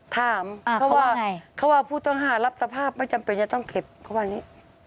ถามเขาว่าเขาว่าผู้ต้องหารับสภาพไม่จำเป็นจะต้องเก็บเขาว่านี้